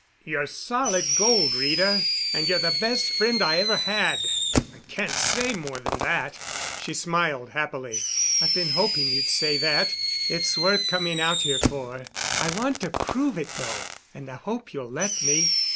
"You're solid gold, Rita, and you're the best friend I ever had. I can't say more than that." She smiled happily. "I've been hoping you'd say that. It's worth coming out here for. I want to prove it, though—and I hope you'll let me."